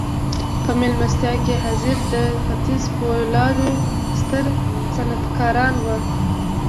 په مېلمستیا کې حاضر د ختیځ د پولادو ستر صنعتکاران وو